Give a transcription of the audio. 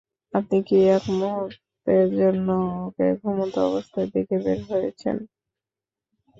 আপনি কি এক মুহূর্তের জন্যও ওকে ঘুমন্ত অবস্থায় রেখে বের হয়েছিলেন?